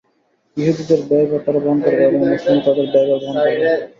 ইহুদিদের ব্যয়ভার তারা বহন করবে এবং মুসলিমরা তাদের ব্যয়ভার বহন করবে।